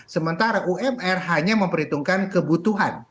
sementara umr hanya memperhitungkan kebutuhan